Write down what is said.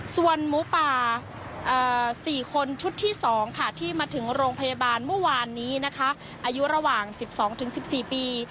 ส่วนหมูป่า๔คนชุดที่๒ค่ะที่มาถึงโรงพยาบาลเมื่อวานนี้นะคะอายุระหว่าง๑๒๑๔ปี